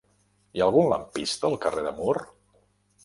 Hi ha algun lampista al carrer de Mur?